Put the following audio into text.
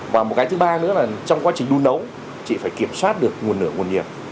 và một cái thứ ba nữa là trong quá trình đun nấu chị phải kiểm soát được nguồn nửa nguồn nhiệt